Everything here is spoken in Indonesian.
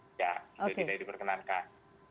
tidak itu tidak diperkenankan